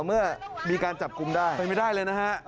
เมื่อมีการจับกลุ้มได้นะครับเป็นไม่ได้เลยนะครับ